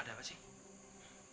ada apa sih